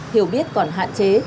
hiểu biết còn hạn chế